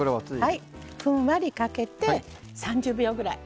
ふんわりかけて３０秒ぐらい。